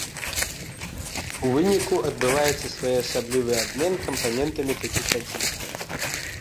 У выніку адбываецца своеасаблівы абмен кампанентамі такіх адзінак.